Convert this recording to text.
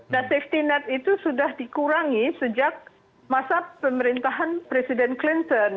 dan safety net itu sudah dikurangi sejak masa pemerintahan presiden clinton